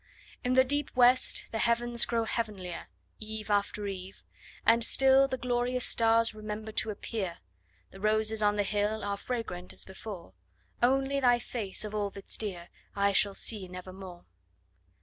In the deep West the heavens grow heavenlier, Eve after eve; and still The glorious stars remember to appear; The roses on the hill Are fragrant as before: Only thy face, of all that's dear, I shall see nevermore!